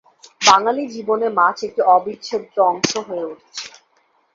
বাঙালী জীবনে মাছ একটি অবিচ্ছেদ্য অংশ হয়ে উঠেছে।